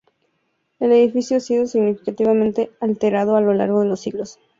El edificio ha sido significativamente alterado a lo largo de los siglos.